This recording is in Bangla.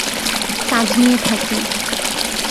কাজ নিয়ে থাকি।